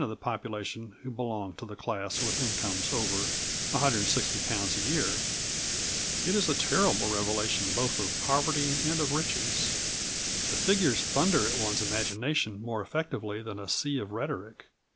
of the population who belong to the class with incomes over £160 a year. It is a terrible revelation both of poverty and of riches. The figures thunder at one's imagination more effectively than a sea of rhetoric.